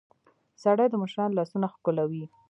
سړى د مشرانو لاسونه ښکلوي.